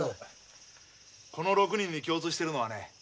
この６人に共通してるのはね